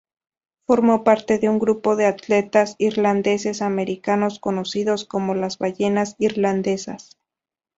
Formó parte de un grupo de atletas irlandeses-americanos conocidos como las "Ballenas irlandesas".